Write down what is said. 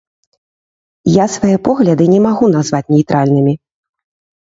Я свае погляды не магу назваць нейтральнымі.